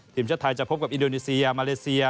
ทีมชาติไทยจะพบกับอินโดนีเซียมาเลเซีย